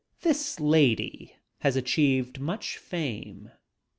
This lady has achieved much fame.